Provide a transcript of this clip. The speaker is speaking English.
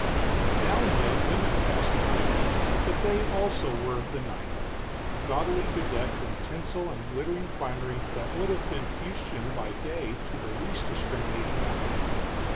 Now and then women passed, but they, also, were of the night, gaudily bedecked in tinsel and glittering finery that would have been fustian by day to the least discriminating eye.